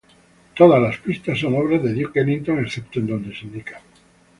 Todas las pistas son obra de Duke Ellington excepto en donde se indica.